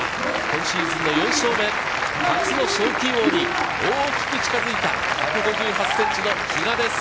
今シーズンの４勝目、初の賞金王に大きく近づいた１５８センチの比嘉です！